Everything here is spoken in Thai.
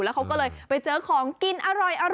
แล้วเขาก็เลยไปเจอของกินอร่อย